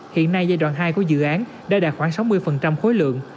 hiện nay giai đoạn hai của dự án đã đạt khoảng sáu mươi khối lượng